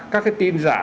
các cái tin giả